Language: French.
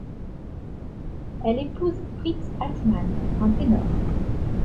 Elle épouse Fritz Altmann, un ténor.